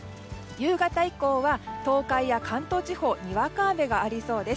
夕方以降は、東海や関東地方にわか雨がありそうです。